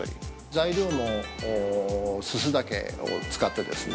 材料も、すす竹を使ってですね。